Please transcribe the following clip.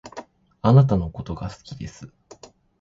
貴方のことが好きです